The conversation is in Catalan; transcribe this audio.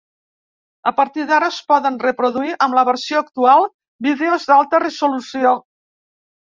A partir d'ara es poden reproduir, amb la versió actual, vídeos d'alta resolució.